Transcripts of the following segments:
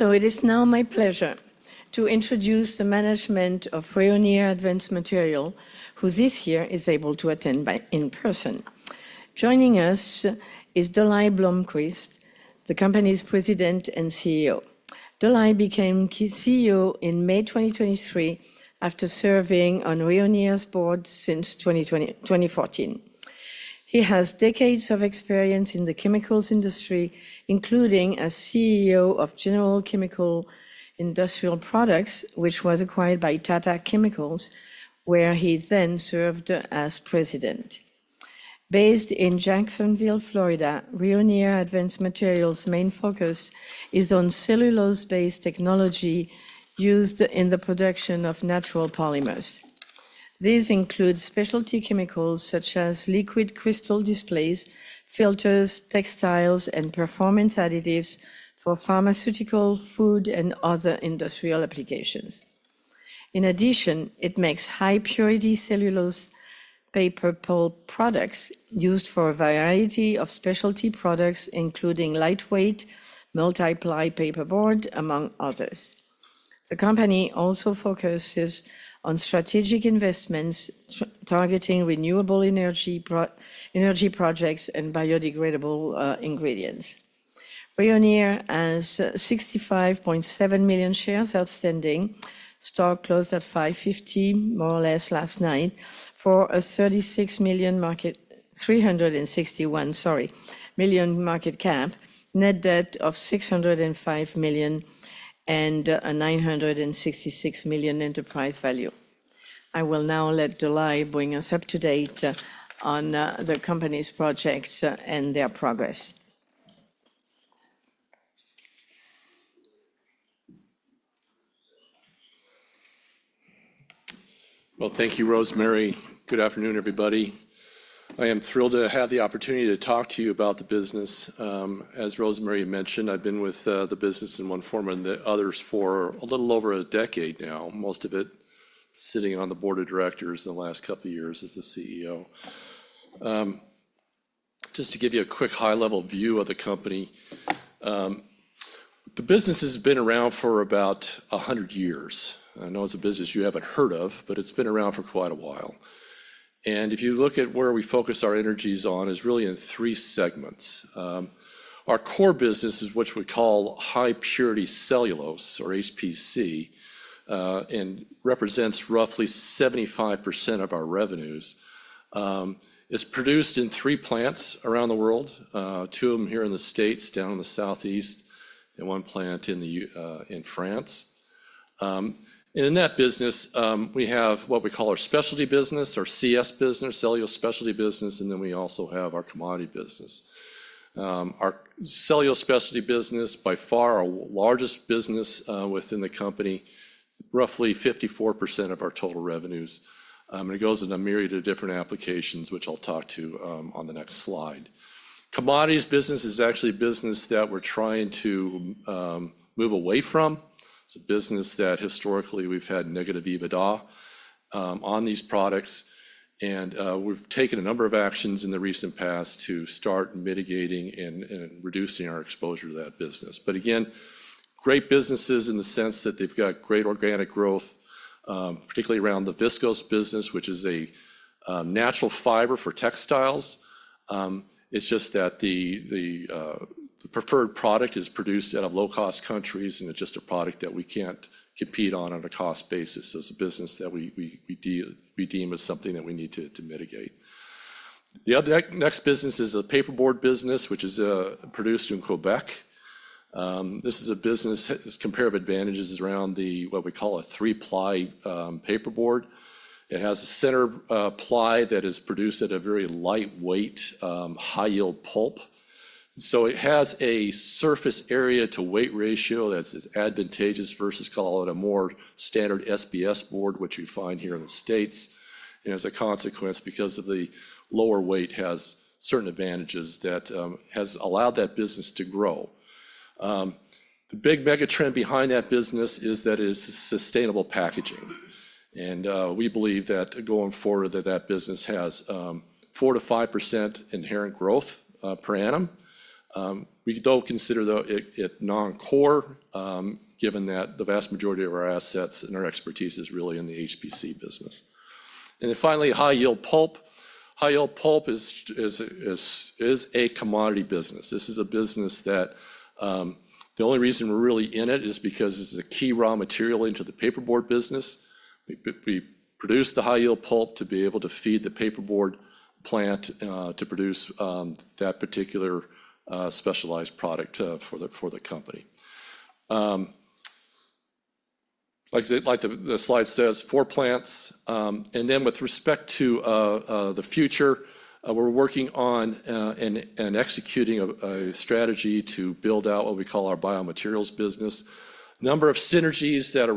It is now my pleasure to introduce the management of Rayonier Advanced Materials, who this year is able to attend in person. Joining us is De Lyle Bloomquist, the company's President and CEO. De Lyle became CEO in May 2023 after serving on Rayonier's board since 2014. He has decades of experience in the chemicals industry, including as CEO of General Chemical Industrial Products, which was acquired by Tata Chemicals, where he then served as president. Based in Jacksonville, Florida, Rayonier Advanced Materials' main focus is on cellulose-based technology used in the production of natural polymers. These include specialty chemicals such as liquid crystal displays, filters, textiles, and performance additives for pharmaceutical, food, and other industrial applications. In addition, it makes high-purity cellulose paper pulp products used for a variety of specialty products, including lightweight multi-ply paperboard, among others. The company also focuses on strategic investments targeting renewable energy projects and biodegradable ingredients. Rayonier Advanced Materials has 65.7 million shares outstanding, stock closed at $5.50, more or less last night, for a $361 million market cap, net debt of $605 million, and a $966 million enterprise value. I will now let De Lyle bring us up to date on the company's projects and their progress. Thank you, Rosemarie. Good afternoon, everybody. I am thrilled to have the opportunity to talk to you about the business. As Rosemarie mentioned, I've been with the business in one form and the others for a little over a decade now, most of it sitting on the board of directors in the last couple of years as the CEO. Just to give you a quick high-level view of the company, the business has been around for about 100 years. I know it's a business you haven't heard of, but it's been around for quite a while. If you look at where we focus our energies on, it's really in three segments. Our core business is what we call high-purity cellulose, or HPC, and represents roughly 75% of our revenues. It's produced in three plants around the world, two of them here in the U.S., down in the Southeast, and one plant in France. In that business, we have what we call our specialty business, our CS business, cellulose specialty business, and then we also have our commodity business. Our cellulose specialty business, by far our largest business within the company, is roughly 54% of our total revenues. It goes into a myriad of different applications, which I'll talk to on the next slide. Commodities business is actually a business that we're trying to move away from. It's a business that historically we've had negative EBITDA on these products. We've taken a number of actions in the recent past to start mitigating and reducing our exposure to that business. Again, great businesses in the sense that they've got great organic growth, particularly around the viscose business, which is a natural fiber for textiles. It's just that the preferred product is produced out of low-cost countries, and it's just a product that we can't compete on on a cost basis. It's a business that we deem as something that we need to mitigate. The next business is a paperboard business, which is produced in Quebec. This is a business, its comparative advantages around what we call a three-ply paperboard. It has a center ply that is produced at a very lightweight, high-yield pulp. So it has a surface area to weight ratio that's advantageous versus, call it a more standard SBS board, which you find here in the States. As a consequence, because of the lower weight, it has certain advantages that have allowed that business to grow. The big mega trend behind that business is that it is sustainable packaging. We believe that going forward, that business has 4%-5% inherent growth per annum. We do not consider it non-core, given that the vast majority of our assets and our expertise is really in the HPC business. Finally, high-yield pulp. High-yield pulp is a commodity business. This is a business that the only reason we are really in it is because it is a key raw material into the paperboard business. We produce the high-yield pulp to be able to feed the paperboard plant to produce that particular specialized product for the company. Like the slide says, four plants. With respect to the future, we're working on and executing a strategy to build out what we call our biomaterials business, a number of synergies that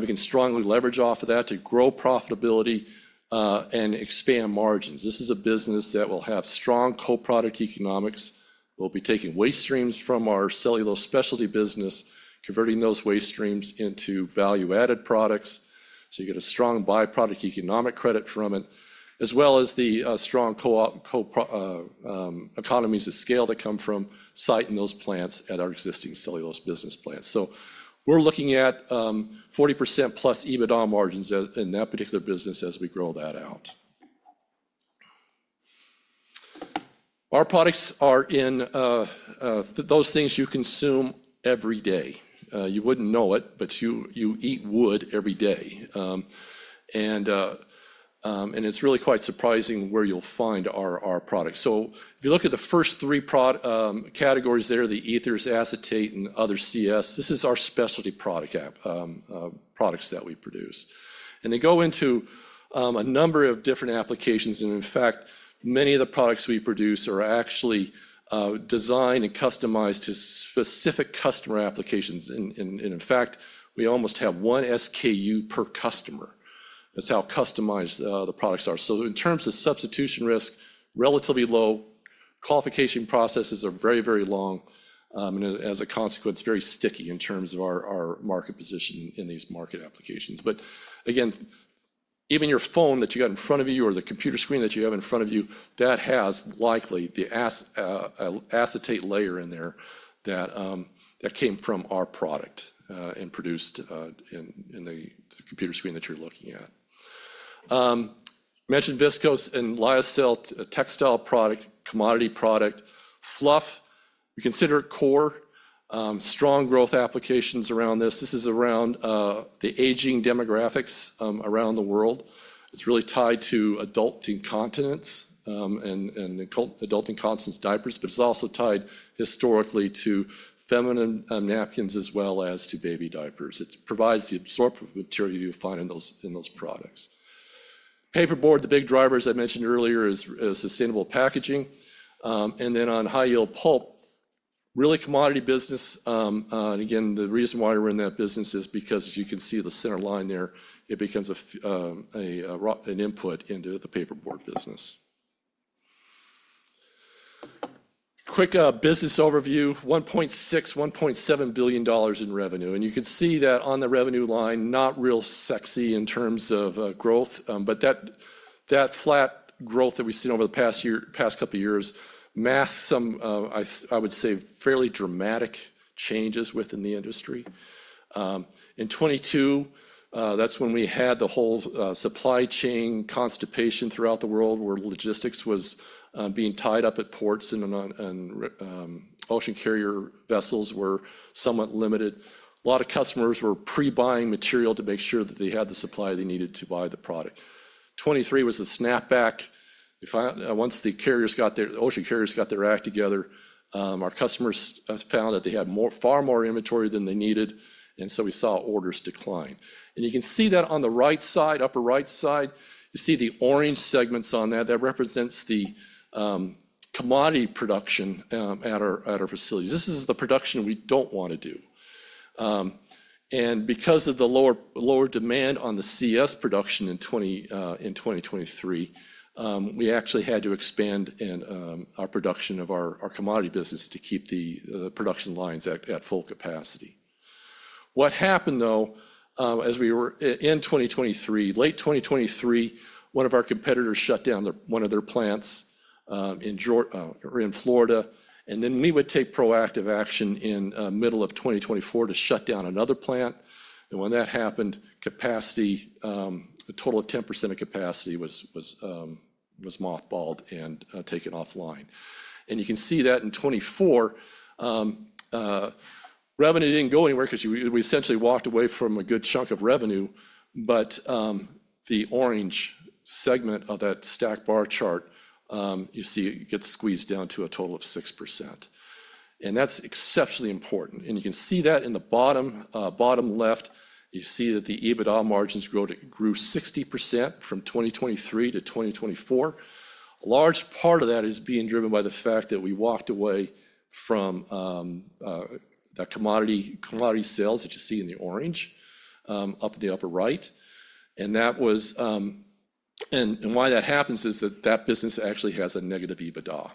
we can strongly leverage off of that to grow profitability and expand margins. This is a business that will have strong co-product economics. We'll be taking waste streams from our cellulose specialty business, converting those waste streams into value-added products. You get a strong byproduct economic credit from it, as well as the strong co-op economies of scale that come from siting those plants at our existing cellulose business plants. We're looking at 40% plus EBITDA margins in that particular business as we grow that out. Our products are in those things you consume every day. You wouldn't know it, but you eat wood every day. It's really quite surprising where you'll find our products. If you look at the first three categories there, the ethers, acetate, and other CS, this is our specialty products that we produce. They go into a number of different applications. In fact, many of the products we produce are actually designed and customized to specific customer applications. In fact, we almost have one SKU per customer. That's how customized the products are. In terms of substitution risk, relatively low. Qualification processes are very, very long. As a consequence, very sticky in terms of our market position in these market applications. Again, even your phone that you got in front of you or the computer screen that you have in front of you, that has likely the acetate layer in there that came from our product and produced in the computer screen that you're looking at. I mentioned viscose and lyocell, a textile product, commodity product. Fluff, we consider it core. Strong growth applications around this. This is around the aging demographics around the world. It's really tied to adult incontinence and adult incontinence diapers, but it's also tied historically to feminine napkins as well as to baby diapers. It provides the absorptive material you find in those products. Paperboard, the big driver, as I mentioned earlier, is sustainable packaging. On high-yield pulp, really commodity business. The reason why we're in that business is because, as you can see the center line there, it becomes an input into the paperboard business. Quick business overview, $1.6-$1.7 billion in revenue. You can see that on the revenue line, not real sexy in terms of growth, but that flat growth that we've seen over the past couple of years masks some, I would say, fairly dramatic changes within the industry. In 2022, that's when we had the whole supply chain constipation throughout the world where logistics was being tied up at ports and ocean carrier vessels were somewhat limited. A lot of customers were pre-buying material to make sure that they had the supply they needed to buy the product. 2023 was a snapback. Once the ocean carriers got their act together, our customers found that they had far more inventory than they needed. We saw orders decline. You can see that on the right side, upper right side, you see the orange segments on that. That represents the commodity production at our facilities. This is the production we don't want to do. Because of the lower demand on the CS production in 2023, we actually had to expand our production of our commodity business to keep the production lines at full capacity. What happened, though, as we were in 2023, late 2023, one of our competitors shut down one of their plants in Florida. We would take proactive action in the middle of 2024 to shut down another plant. When that happened, a total of 10% of capacity was mothballed and taken offline. You can see that in 2024, revenue didn't go anywhere because we essentially walked away from a good chunk of revenue. The orange segment of that stacked bar chart, you see it gets squeezed down to a total of 6%. That's exceptionally important. You can see that in the bottom left, you see that the EBITDA margins grew 60% from 2023 to 2024. A large part of that is being driven by the fact that we walked away from that commodity sales that you see in the orange up in the upper right. Why that happens is that that business actually has a negative EBITDA.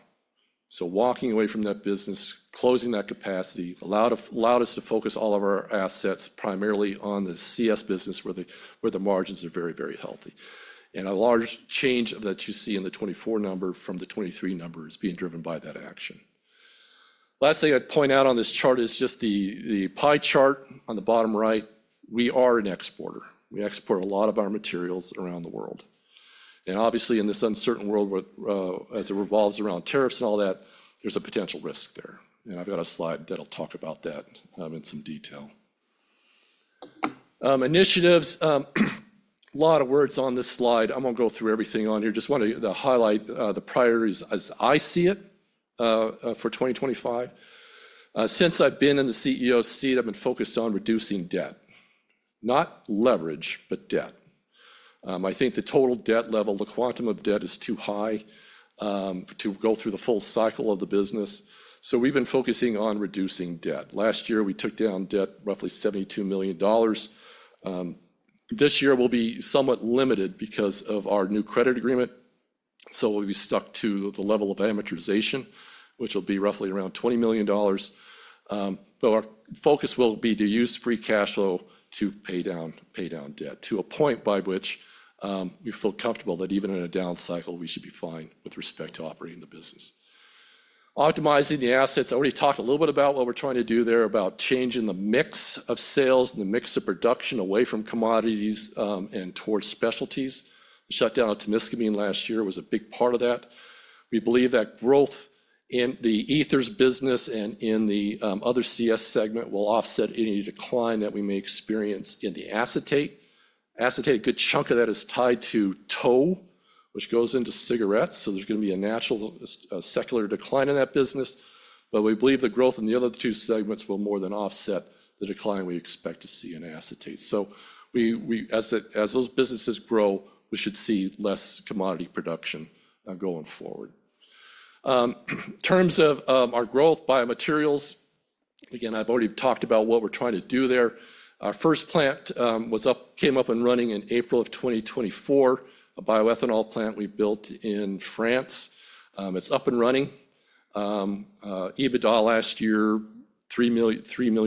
Walking away from that business, closing that capacity allowed us to focus all of our assets primarily on the CS business where the margins are very, very healthy. A large change that you see in the 2024 number from the 2023 number is being driven by that action. Last thing I'd point out on this chart is just the pie chart on the bottom right. We are an exporter. We export a lot of our materials around the world. Obviously, in this uncertain world as it revolves around tariffs and all that, there's a potential risk there. I have a slide that will talk about that in some detail. Initiatives, a lot of words on this slide. I'm going to go through everything on here. Just wanted to highlight the priorities as I see it for 2025. Since I've been in the CEO seat, I've been focused on reducing debt. Not leverage, but debt. I think the total debt level, the quantum of debt is too high to go through the full cycle of the business. We have been focusing on reducing debt. Last year, we took down debt roughly $72 million. This year, we will be somewhat limited because of our new credit agreement. We will be stuck to the level of amortization, which will be roughly around $20 million. Our focus will be to use free cash flow to pay down debt to a point by which we feel comfortable that even in a down cycle, we should be fine with respect to operating the business. Optimizing the assets. I already talked a little bit about what we're trying to do there about changing the mix of sales and the mix of production away from commodities and towards specialties. The shutdown of Temiscaming last year was a big part of that. We believe that growth in the ethers business and in the other CS segment will offset any decline that we may experience in the acetate. Acetate, a good chunk of that is tied to tow, which goes into cigarettes. So there's going to be a natural secular decline in that business. We believe the growth in the other two segments will more than offset the decline we expect to see in acetate. As those businesses grow, we should see less commodity production going forward. In terms of our growth, biomaterials, again, I've already talked about what we're trying to do there. Our first plant came up and running in April of 2024, a bioethanol plant we built in France. It's up and running. EBITDA last year, $3 million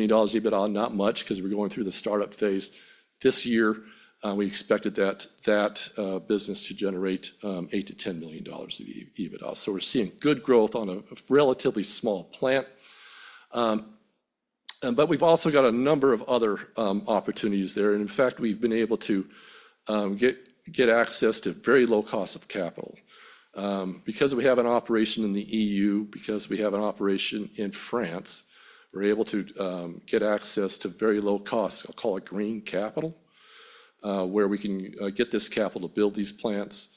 EBITDA, not much because we're going through the startup phase. This year, we expected that business to generate $8-$10 million of EBITDA. We are seeing good growth on a relatively small plant. We've also got a number of other opportunities there. In fact, we've been able to get access to very low cost of capital. Because we have an operation in the EU, because we have an operation in France, we're able to get access to very low cost, I'll call it green capital, where we can get this capital to build these plants.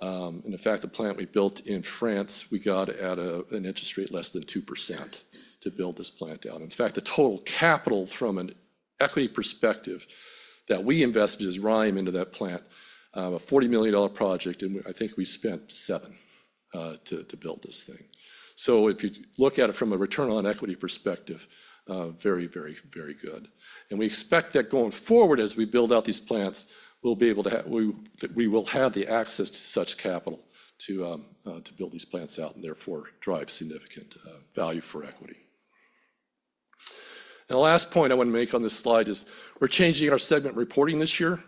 In fact, the plant we built in France, we got at an interest rate less than 2% to build this plant out. In fact, the total capital from an equity perspective that we invested is right into that plant, a $40 million project. I think we spent seven to build this thing. If you look at it from a return on equity perspective, very, very, very good. We expect that going forward, as we build out these plants, we'll be able to have we will have the access to such capital to build these plants out and therefore drive significant value for equity. The last point I want to make on this slide is we're changing our segment reporting this year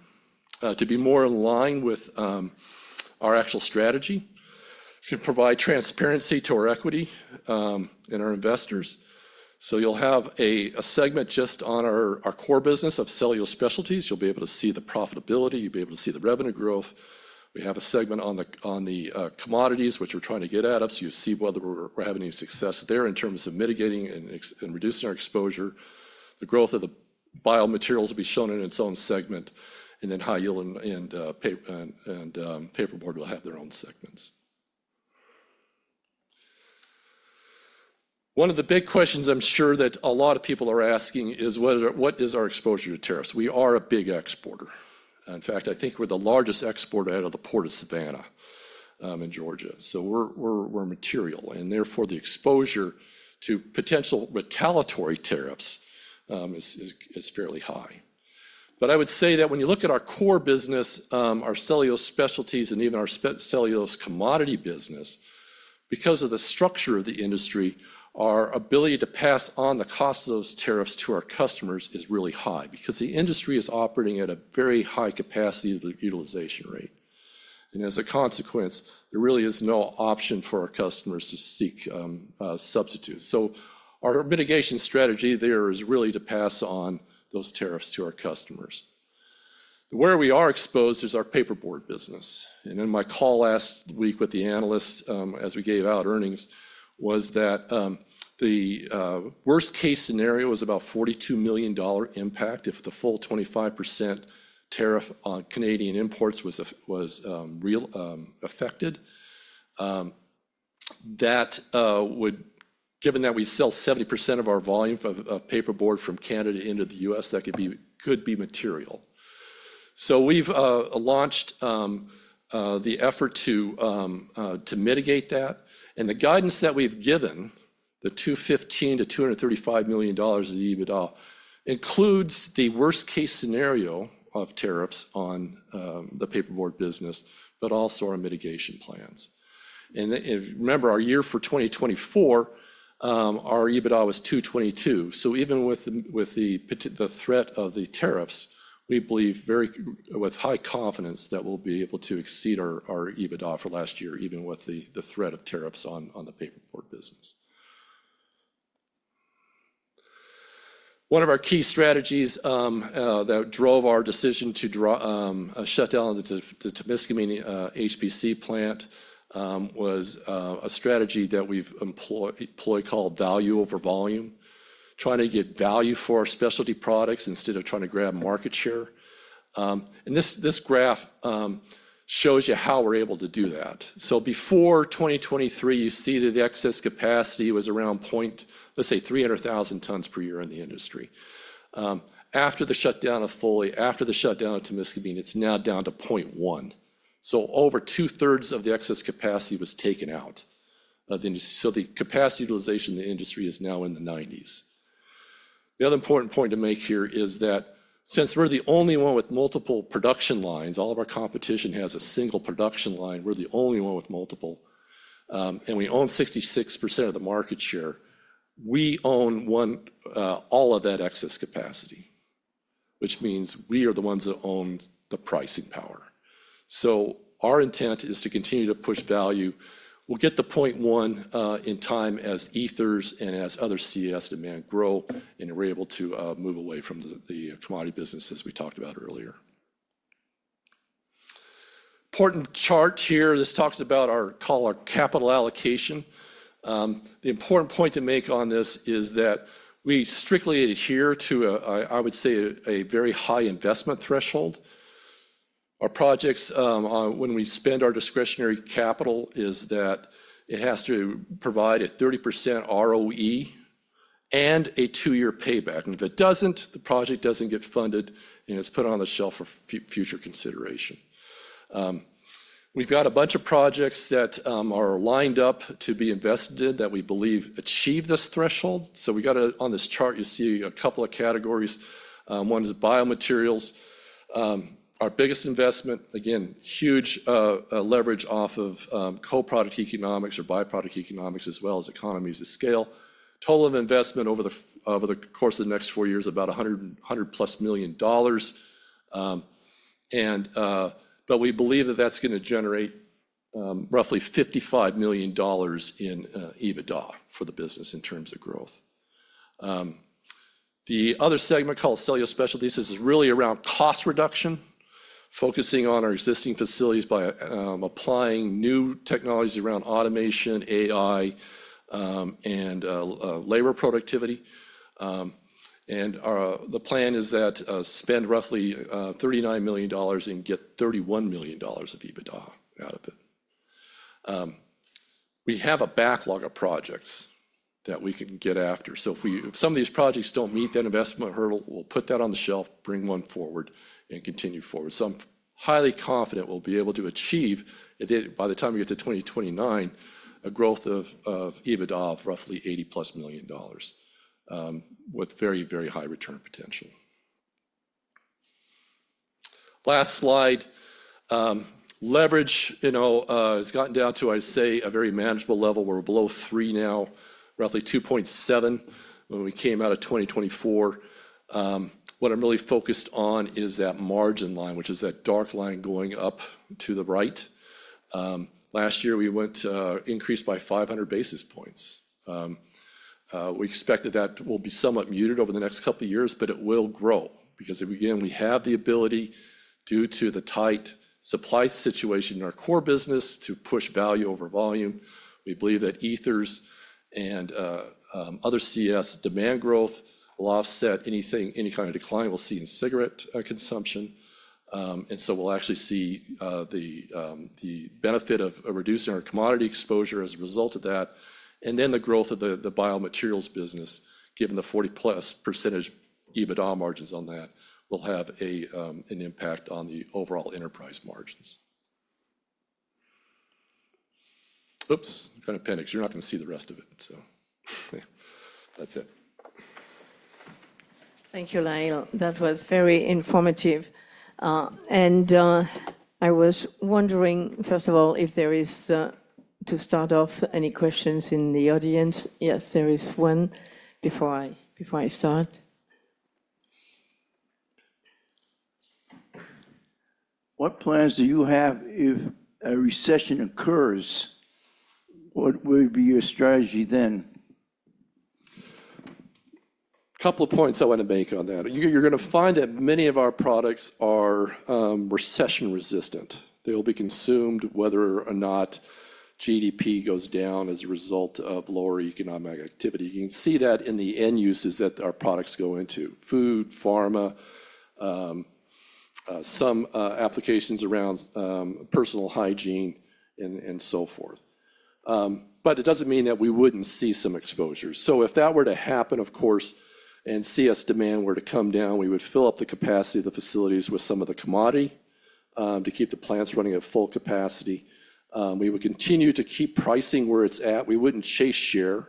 to be more in line with our actual strategy. It should provide transparency to our equity and our investors. You'll have a segment just on our core business of cellulose specialties. You'll be able to see the profitability. You'll be able to see the revenue growth. We have a segment on the commodities, which we're trying to get out of. You see whether we're having any success there in terms of mitigating and reducing our exposure. The growth of the biomaterials will be shown in its own segment. High-yield and paperboard will have their own segments. One of the big questions I'm sure that a lot of people are asking is, what is our exposure to tariffs? We are a big exporter. In fact, I think we're the largest exporter out of the Port of Savannah in Georgia. We are material. Therefore, the exposure to potential retaliatory tariffs is fairly high. I would say that when you look at our core business, our cellulose specialties, and even our cellulose commodity business, because of the structure of the industry, our ability to pass on the cost of those tariffs to our customers is really high because the industry is operating at a very high capacity utilization rate. As a consequence, there really is no option for our customers to seek substitutes. Our mitigation strategy there is really to pass on those tariffs to our customers. Where we are exposed is our paperboard business. In my call last week with the analysts, as we gave out earnings, the worst-case scenario was about $42 million impact if the full 25% tariff on Canadian imports was effected. That would, given that we sell 70% of our volume of paperboard from Canada into the U.S., be material. We have launched the effort to mitigate that. The guidance that we have given, the $215-$235 million of EBITDA, includes the worst-case scenario of tariffs on the paperboard business, but also our mitigation plans. Remember, our year for 2024, our EBITDA was $222 million. Even with the threat of the tariffs, we believe with high confidence that we will be able to exceed our EBITDA for last year, even with the threat of tariffs on the paperboard business. One of our key strategies that drove our decision to shut down the Temiscaming HPC plant was a strategy that we've employed called value over volume, trying to get value for our specialty products instead of trying to grab market share. This graph shows you how we're able to do that. Before 2023, you see that the excess capacity was around, let's say, 300,000 tons per year in the industry. After the shutdown of Foley, after the shutdown of Temiscaming, it's now down to 0.1. Over two-thirds of the excess capacity was taken out. The capacity utilization of the industry is now in the 90s. The other important point to make here is that since we're the only one with multiple production lines, all of our competition has a single production line. We're the only one with multiple. We own 66% of the market share. We own all of that excess capacity, which means we are the ones that own the pricing power. Our intent is to continue to push value. We'll get to 0.1 in time as ethers and as other CS demand grow and we're able to move away from the commodity business as we talked about earlier. Important chart here. This talks about our capital allocation. The important point to make on this is that we strictly adhere to, I would say, a very high investment threshold. Our projects, when we spend our discretionary capital, is that it has to provide a 30% ROE and a two-year payback. If it doesn't, the project doesn't get funded and it's put on the shelf for future consideration. We've got a bunch of projects that are lined up to be invested in that we believe achieve this threshold. We've got on this chart, you see a couple of categories. One is biomaterials. Our biggest investment, again, huge leverage off of co-product economics or byproduct economics as well as economies of scale. Total investment over the course of the next four years, about $100 million plus. We believe that that's going to generate roughly $55 million in EBITDA for the business in terms of growth. The other segment called cellulose specialties is really around cost reduction, focusing on our existing facilities by applying new technologies around automation, AI, and labor productivity. The plan is to spend roughly $39 million and get $31 million of EBITDA out of it. We have a backlog of projects that we can get after. If some of these projects do not meet that investment hurdle, we'll put that on the shelf, bring one forward, and continue forward. I'm highly confident we'll be able to achieve, by the time we get to 2029, a growth of EBITDA of roughly $80 plus million with very, very high return potential. Last slide. Leverage has gotten down to, I'd say, a very manageable level. We're below 3 now, roughly 2.7 when we came out of 2024. What I'm really focused on is that margin line, which is that dark line going up to the right. Last year, we went to increase by 500 basis points. We expect that that will be somewhat muted over the next couple of years, but it will grow because, again, we have the ability, due to the tight supply situation in our core business, to push value over volume. We believe that ethers and other CS demand growth will offset any kind of decline we'll see in cigarette consumption. We'll actually see the benefit of reducing our commodity exposure as a result of that. The growth of the biomaterials business, given the 40+% EBITDA margins on that, will have an impact on the overall enterprise margins. Oops, kind of panicked. You're not going to see the rest of it. That's it. Thank you, De Lyle That was very informative. I was wondering, first of all, if there is, to start off, any questions in the audience. Yes, there is one before I start. What plans do you have if a recession occurs? What would be your strategy then? Couple of points I want to make on that. You're going to find that many of our products are recession resistant. They'll be consumed whether or not GDP goes down as a result of lower economic activity. You can see that in the end uses that our products go into: food, pharma, some applications around personal hygiene, and so forth. It does not mean that we would not see some exposures. If that were to happen, of course, and CS demand were to come down, we would fill up the capacity of the facilities with some of the commodity to keep the plants running at full capacity. We would continue to keep pricing where it is at. We would not chase share.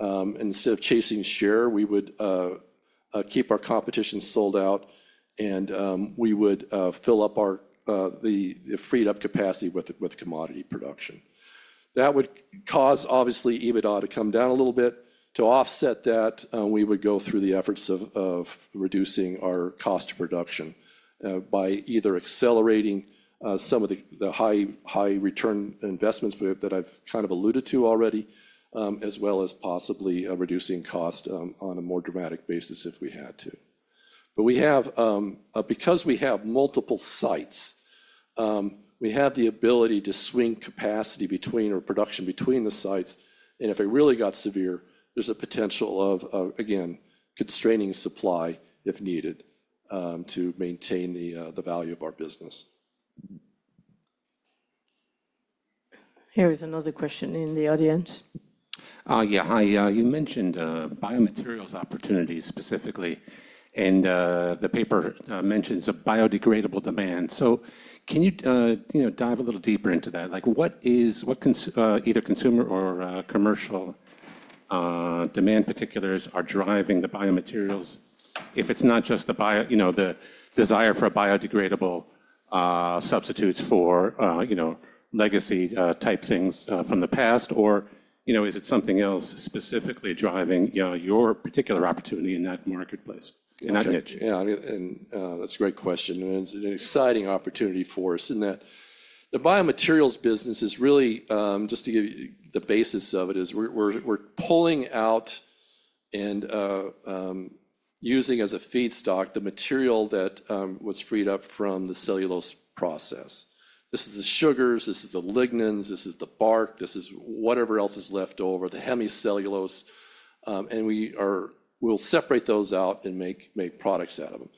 Instead of chasing share, we would keep our competition sold out, and we would fill up the freed-up capacity with commodity production. That would cause, obviously, EBITDA to come down a little bit. To offset that, we would go through the efforts of reducing our cost of production by either accelerating some of the high-return investments that I've kind of alluded to already, as well as possibly reducing cost on a more dramatic basis if we had to. Because we have multiple sites, we have the ability to swing capacity between our production between the sites. If it really got severe, there's a potential of, again, constraining supply if needed to maintain the value of our business. Here is another question in the audience. Yeah, hi. You mentioned biomaterials opportunities specifically. The paper mentions a biodegradable demand. Can you dive a little deeper into that? What either consumer or commercial demand particulars are driving the biomaterials? If it's not just the desire for biodegradable substitutes for legacy-type things from the past, or is it something else specifically driving your particular opportunity in that marketplace, in that niche? Yeah, that's a great question. It's an exciting opportunity for us in that the biomaterials business is really, just to give you the basis of it, we're pulling out and using as a feedstock the material that was freed up from the cellulose process. This is the sugars. This is the lignins. This is the bark. This is whatever else is left over, the hemicellulose. We'll separate those out and make products out of them.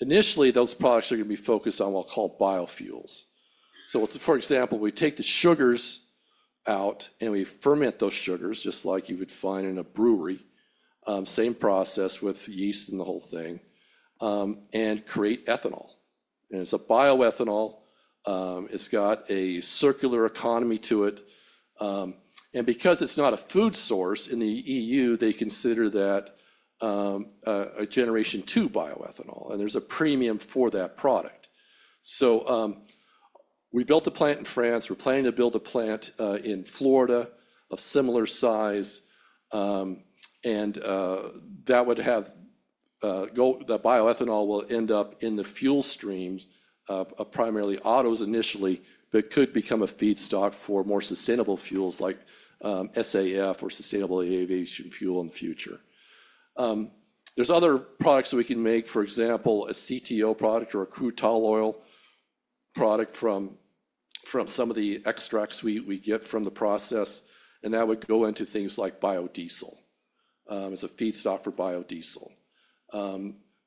Initially, those products are going to be focused on what we'll call biofuels. For example, we take the sugars out and we ferment those sugars, just like you would find in a brewery. Same process with yeast and the whole thing, and create ethanol. It is a bioethanol. It has a circular economy to it. Because it is not a food source in the EU, they consider that a generation two bioethanol. There is a premium for that product. We built a plant in France. We are planning to build a plant in Florida of similar size. That would have the bioethanol end up in the fuel streams of primarily autos initially, but it could become a feedstock for more sustainable fuels like SAF or sustainable aviation fuel in the future. There are other products that we can make, for example, a CTO product or a crude tall oil product from some of the extracts we get from the process. That would go into things like biodiesel as a feedstock for biodiesel.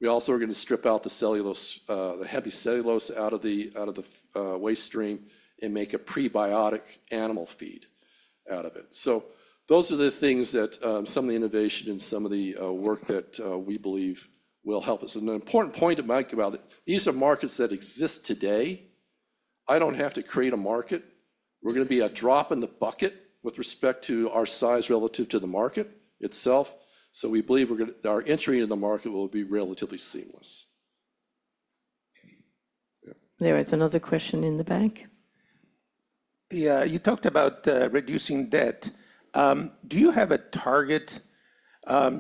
We also are going to strip out the hemicellulose out of the waste stream and make a prebiotic animal feed out of it. Those are the things that some of the innovation and some of the work that we believe will help us. An important point to make about these are markets that exist today. I don't have to create a market. We're going to be a drop in the bucket with respect to our size relative to the market itself. We believe our entry into the market will be relatively seamless. There is another question in the back Yeah, you talked about reducing debt. Do you have a target?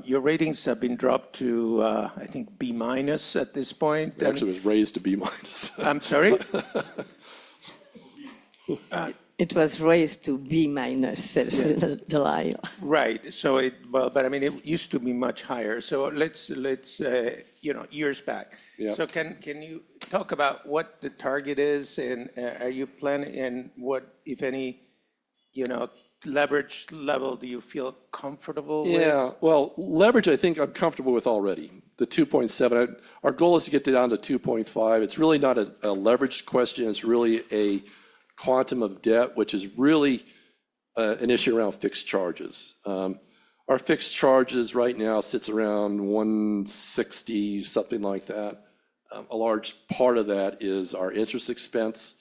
Your ratings have been dropped to, I think, B minus at this point. Actually, it was raised to B minus. I'm sorry? It was raised to B minus, De Lyle. Right. I mean, it used to be much higher. Let's years back. Can you talk about what the target is and are you planning and what, if any, leverage level do you feel comfortable with? Yeah. Leverage, I think I'm comfortable with already. The 2.7, our goal is to get down to 2.5. It's really not a leverage question. It's really a quantum of debt, which is really an issue around fixed charges. Our fixed charges right now sit around 160, something like that. A large part of that is our interest expense.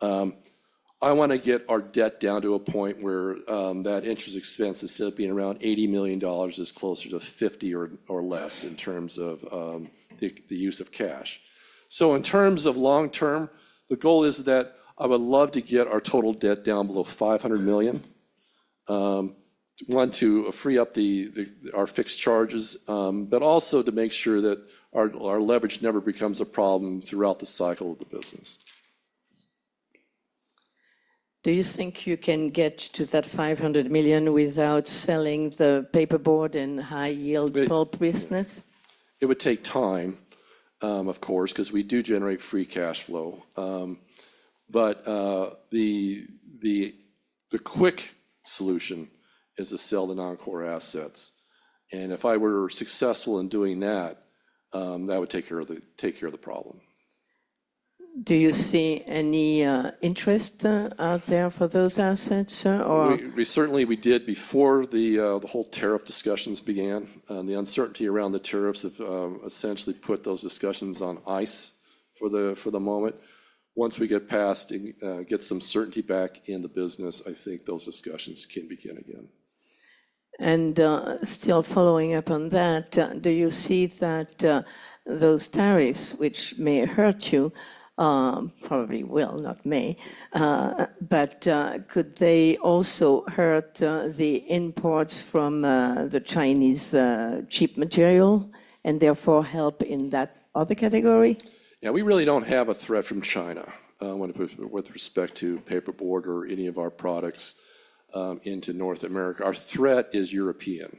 I want to get our debt down to a point where that interest expense is still being around $80 million is closer to 50 or less in terms of the use of cash. In terms of long term, the goal is that I would love to get our total debt down below $500 million. One, to free up our fixed charges, but also to make sure that our leverage never becomes a problem throughout the cycle of the business. Do you think you can get to that $500 million without selling the paperboard and high-yield pulp business? It would take time, of course, because we do generate free cash flow. The quick solution is to sell the non-core assets. If I were successful in doing that, that would take care of the problem. Do you see any interest out there for those assets? Certainly, we did before the whole tariff discussions began. The uncertainty around the tariffs has essentially put those discussions on ice for the moment. Once we get past and get some certainty back in the business, I think those discussions can begin again. Still following up on that, do you see that those tariffs, which may hurt you, probably will, not may, but could they also hurt the imports from the Chinese cheap material and therefore help in that other category? Yeah, we really do not have a threat from China with respect to paperboard or any of our products into North America. Our threat is European.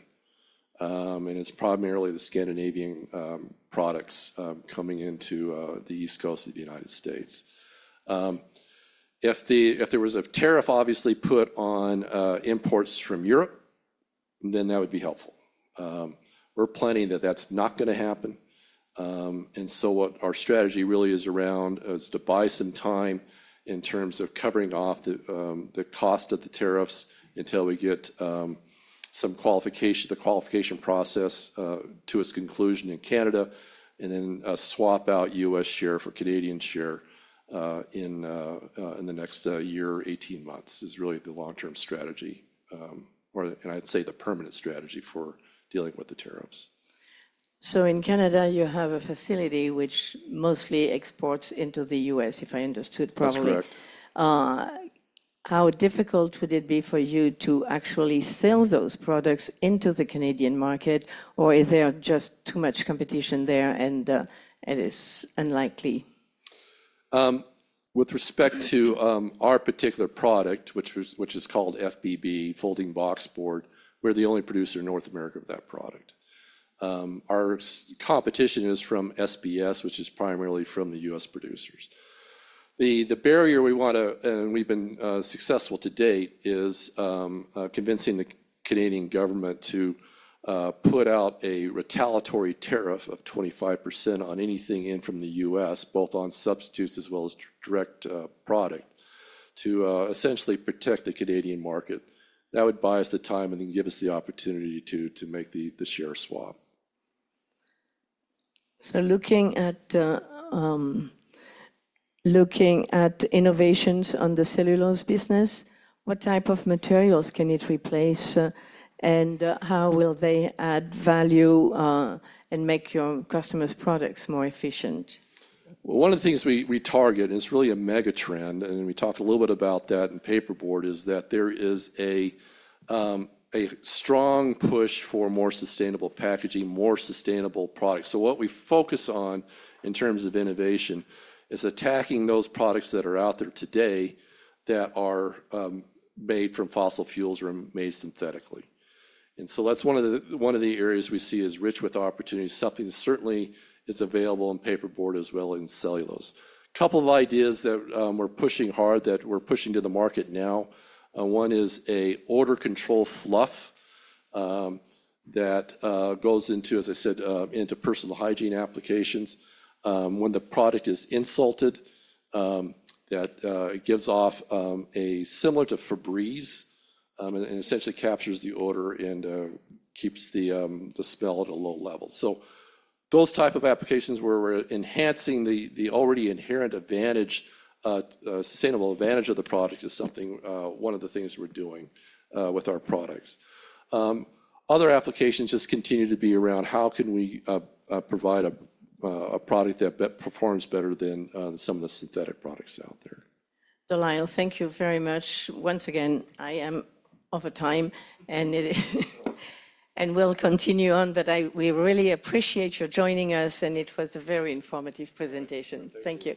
It is primarily the Scandinavian products coming into the East Coast of the United States. If there was a tariff, obviously, put on imports from Europe, then that would be helpful. We are planning that that is not going to happen. What our strategy really is around is to buy some time in terms of covering off the cost of the tariffs until we get the qualification process to its conclusion in Canada and then swap out U.S. share for Canadian share in the next year, 18 months is really the long-term strategy, and I'd say the permanent strategy for dealing with the tariffs. In Canada, you have a facility which mostly exports into the U.S., if I understood properly. That's correct. How difficult would it be for you to actually sell those products into the Canadian market, or is there just too much competition there and it is unlikely? With respect to our particular product, which is called FBB, folding boxboard, we're the only producer in North America of that product. Our competition is from SBS, which is primarily from U.S. producers. The barrier we want to, and we've been successful to date, is convincing the Canadian government to put out a retaliatory tariff of 25% on anything in from the U.S., both on substitutes as well as direct product, to essentially protect the Canadian market. That would buy us the time and give us the opportunity to make the share swap. Looking at innovations on the cellulose business, what type of materials can it replace and how will they add value and make your customers' products more efficient? One of the things we target, and it's really a mega trend, and we talked a little bit about that in paperboard, is that there is a strong push for more sustainable packaging, more sustainable products. What we focus on in terms of innovation is attacking those products that are out there today that are made from fossil fuels or made synthetically. That is one of the areas we see as rich with opportunity, something that certainly is available in paperboard as well as in cellulose. A couple of ideas that we're pushing hard, that we're pushing to the market now. One is an odor control fluff that goes into, as I said, into personal hygiene applications. When the product is insulted, that gives off a similar to Febreze and essentially captures the odor and keeps the smell at a low level. Those types of applications where we're enhancing the already inherent advantage, sustainable advantage of the product is something, one of the things we're doing with our products. Other applications just continue to be around how can we provide a product that performs better than some of the synthetic products out there. De Lyle, thank you very much. Once again, I am over time and will continue on, but we really appreciate your joining us, and it was a very informative presentation. Thank you.